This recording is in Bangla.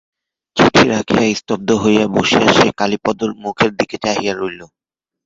চিঠি রাখিয়া স্তব্ধ হইয়া বসিয়া সে কালীপদর মুখের দিকে চাহিয়া রহিল।